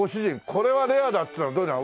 これはレアだっていうのはどれなの？